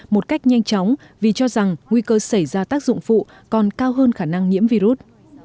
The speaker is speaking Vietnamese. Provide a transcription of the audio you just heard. một cách nhanh chóng vì cho rằng nguy cơ xảy ra tác dụng phụ còn cao hơn khả năng nhiễm virus